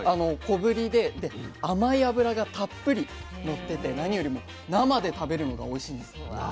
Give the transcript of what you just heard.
小ぶりで甘い脂がたっぷりのってて何よりも生で食べるのがおいしいんですね。